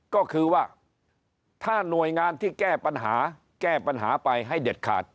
ก็คือว่าถ้าหน่วยงานที่แก้ปัญหาแก้ปัญหาไปให้เด็ดขาด